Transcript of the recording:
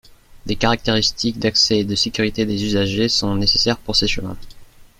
Des caractéristiques d’accès et de sécurité des usagers sont nécessaires pour ces chemins.